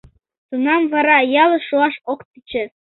Тунам вара ялыш шуаш ок тӧчӧ.